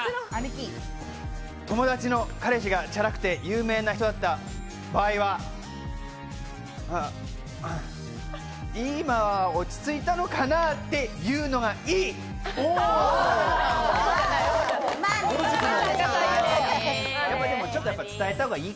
友達の彼氏がチャラくて有名な人だった場合は、今は落ち着いたのかな？って言うのがいい！